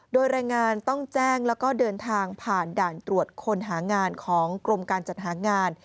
โดยแรงงานต้องแจ้งแล้วก็เดินทางผ่านด่านตรวจคนหางานของกรมการจัดหางาน